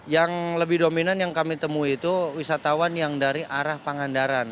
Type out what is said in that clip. yang lebih dominan yang kami temui itu wisatawan yang dari arah pangandaran